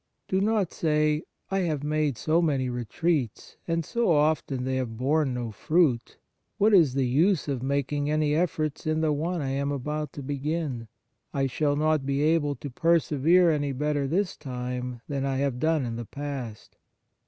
Do not say : "I have made so many retreats, and so often they have borne no fruit ! What is the use of making any efforts in the one I am about to begin ? I shall not be able to persevere any better this time than I have done in the past."